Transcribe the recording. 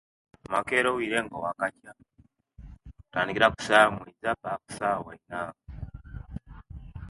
Makeri obwire nga owakania okutandikira kusawa emoiza paka kusawa ina